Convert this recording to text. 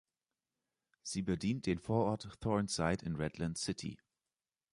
Sie bedient den Vorort Thorneside in Redland City.